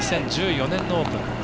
２０１４年のオープン。